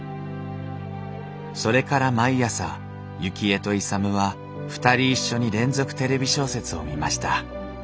それから毎朝雪衣と勇は２人一緒に「連続テレビ小説」を見ました。